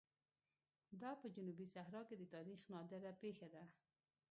دا په جنوبي صحرا کې د تاریخ نادره پېښه ده.